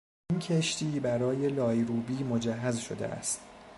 این کشتی برای لایروبی مجهز شده است.